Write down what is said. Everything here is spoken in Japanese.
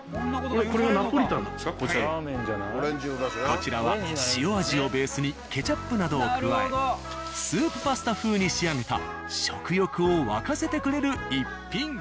こちらは塩味をベースにケチャップなどを加えスープパスタ風に仕上げた食欲を湧かせてくれる一品。